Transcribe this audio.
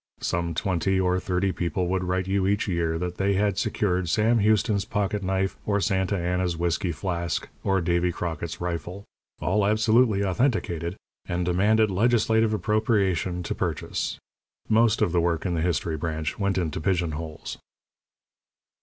Some twenty or thirty people would write you each year that they had secured Sam Houston's pocket knife or Santa Ana's whisky flask or Davy Crockett's rifle all absolutely authenticated and demanded legislative appropriation to purchase. Most of the work in the history branch went into pigeon holes.